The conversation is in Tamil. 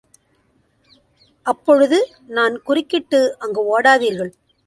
அப்பொழுது நான் குறுக்கிட்டு அங்கு ஓடாதீர்கள்.